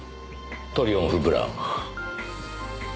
トリオンフ・ブラウン。